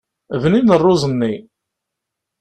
Bnin rruẓ-nni.